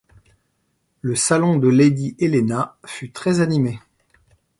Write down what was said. Le salon de lady Helena fut très-animé